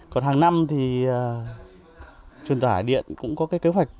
còn hằng năm thì truyền tài điện cũng có cái kế hoạch